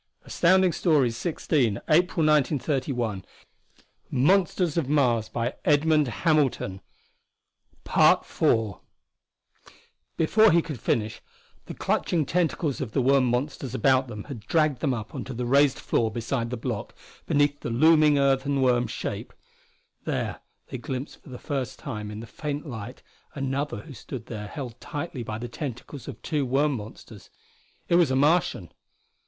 "These things have some dim spark of intelligence or memory! They're brought us here to "Before he could finish, the clutching tentacles of the worm monsters about them had dragged them up onto the raised floor beside the block, beneath the looming earthen worm shape. There they glimpsed for the first time in the faint light another who stood there held tightly by the tentacles of two worm monsters. It was a Martian!